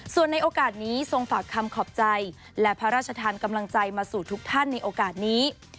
ส่วนในโอกาสนี้ทรงฝากคำขอบใจและพระราชทานกำลังใจมาสู่ทุกท่านในโอกาสนี้